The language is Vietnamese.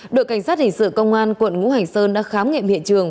đội cảnh sát hình sự công an quận ngũ hành sơn đã khám nghiệm hiện trường